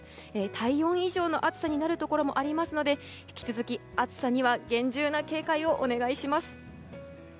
体温以上の暑さになるところもありますので引き続き暑さには厳重な警戒をお願いします。